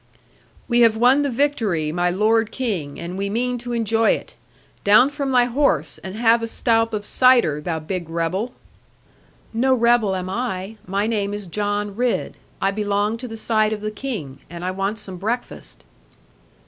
'We have won the victory, my lord King, and we mean to enjoy it. Down from thy horse, and have a stoup of cider, thou big rebel.' 'No rebel am I. My name is John Ridd. I belong to the side of the King: and I want some breakfast.'